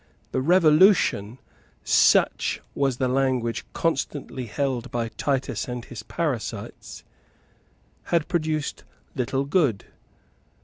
The Revolution, such was the language constantly held by Titus and his parasites, had produced little good.